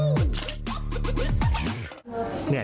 ในวันนี้ก็เป็นการประเดิมถ่ายเพลงแรก